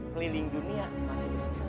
keliling dunia masih disisa